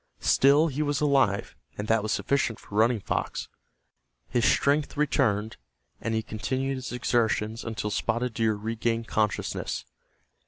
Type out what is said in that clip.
Still he was alive, and that was sufficient for Running Fox. His strength returned, and he continued his exertions until Spotted Deer regained consciousness.